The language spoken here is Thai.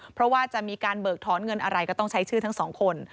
เพราะว่าจะมีการเบิกถอนเงินอะไรก็ต้องใช้ชื่อทั้งสองคน